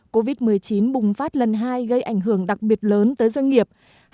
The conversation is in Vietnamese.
covid một mươi chín bùng phát lần hai gây ảnh hưởng đặc biệt lớn tới doanh nghiệp